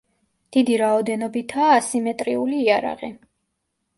დიდი რაოდენობითაა ასიმეტრიული იარაღი.